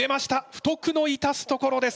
「不徳の致すところです」。